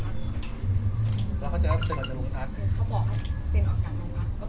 เขาไม่บอกว่าอยู่กี่ปีอะไรยังไงนะคะตอนนั้นในความรู้สึกคือเซ็นออกจากโรงพักษณ์